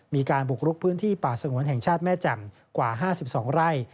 มีการบุกรุกพื้นที่ป่าสงวนแห่งชาติแม่แจ่มกว่า๕๒ไร่